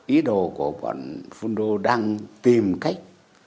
ý đồ của bọn phân rồ đang tìm cách